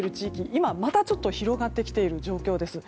今、またちょっと広がってきている状況です。